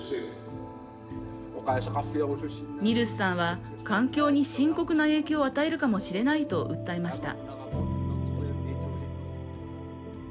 ニルスさんは環境に深刻な影響を与えるかもしれないと訴えました。